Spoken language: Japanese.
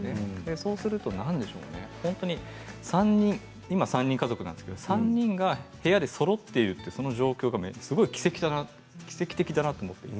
そうすると今３人家族なんですけど３人が部屋でそろっているその状況がすごく奇跡だなって奇跡的だなと思って。